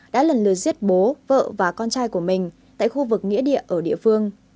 đã lần lượt giết bố vợ và con trai của mình tại khu vực nghĩa địa ở địa phương